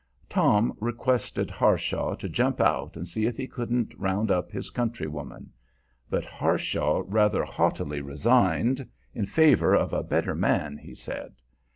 Tom requested Harshaw to jump out and see if he couldn't round up his countrywoman. But Harshaw rather haughtily resigned in favor of a better man, he said.